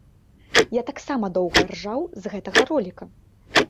Я таксама доўга ржаў з гэтага роліка.